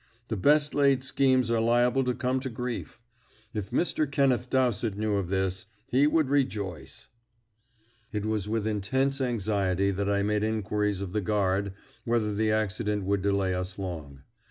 The best laid schemes are liable to come to grief. If Mr. Kenneth Dowsett knew of this, he would rejoice." It was with intense anxiety that I made inquiries of the guard whether the accident would delay us long.